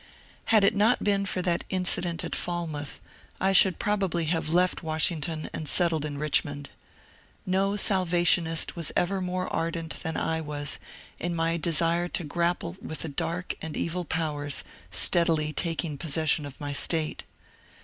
Had it not been for that incident at Falmouth I should probably have left Washington and settled in Rich mond. No *' Salvationist '' was ever more ardent than I was in my desire to grapple with the dark and evil powers steadily taking possession of my State.